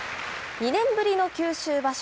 ２年ぶりの九州場所。